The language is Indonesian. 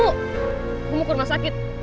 gue juga mau ke rumah sakit